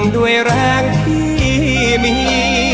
ด้วยแรงที่มี